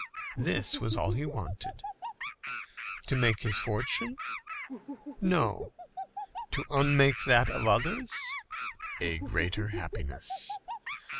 This was all he wanted. To make his fortune? No. To unmake that of others? A greater happiness.